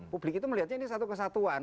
publik itu melihatnya ini satu kesatuan